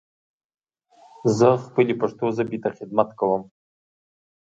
زه خپلې پښتو ژبې ته خدمت کوم.